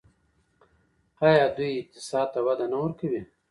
آیا دوی اقتصاد ته وده نه ورکوي؟